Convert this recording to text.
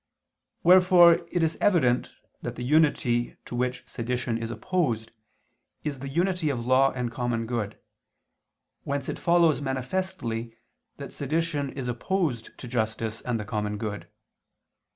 Wherefore it is evident that the unity to which sedition is opposed is the unity of law and common good: whence it follows manifestly that sedition is opposed to justice and the common good.